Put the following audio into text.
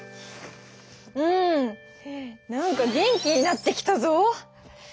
うん何か元気になってきたぞ！